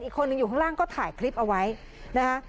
คนหนึ่งอยู่ข้างล่างก็ถ่ายคลิปเอาไว้นะคะ